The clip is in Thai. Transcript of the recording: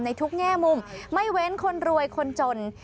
ในทุกแง่มุมไม่เว้นคนรวยคนจน